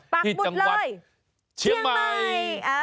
ภาคบุตรเลยเชียงใหม่